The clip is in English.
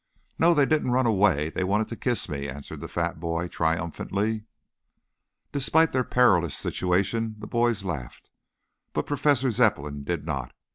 "No, they didn't run away. They wanted to kiss me," answered the fat boy triumphantly. Despite their perilous situation the boys laughed, but Professor Zepplin did not.